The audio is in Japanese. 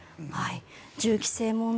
銃規制問題